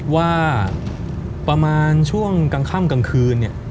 ว่าประมาณช่วงกลางค่ำกลางคืนเนี่ย